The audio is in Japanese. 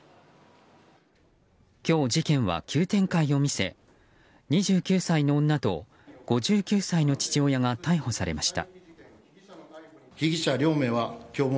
今日、事件は急展開を見せ２９歳の女と５９歳の父親が逮捕されました。